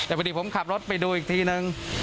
แต่พอดีผมขับรถไปดูอีกทีนึง